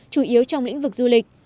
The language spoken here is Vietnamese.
chủ yếu trong lĩnh vực du lịch